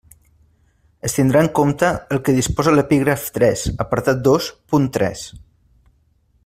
Es tindrà en compte el que disposa l'epígraf tres, apartat dos, punt tres.